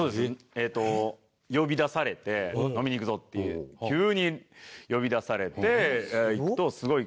えっと呼び出されて「飲みに行くぞ」って急に呼び出されて行くとすごい。